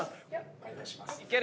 お願いします。